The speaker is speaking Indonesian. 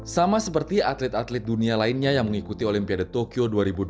sama seperti atlet atlet dunia lainnya yang mengikuti olimpiade tokyo dua ribu dua puluh